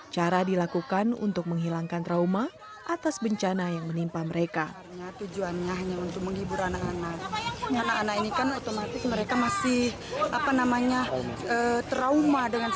cara dilakukan untuk menghilangkan trauma atas bencana yang menimpa mereka